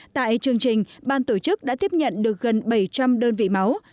tại chương trình ban tổ chức đã tiếp nhận được gần bảy trăm linh đơn vị máu